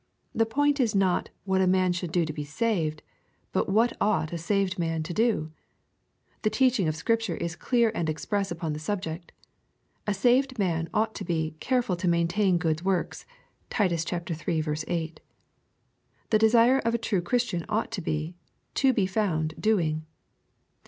The point is not what a man should do to be saved^ — but what ought a saved man to do ? The teaching of Scripture is clear and express upon this sub jects A saved man ought to be "careful to maintain good works." (Tit. iii. 8.) The desire of a true Chris tian ought to be, to be found " doing."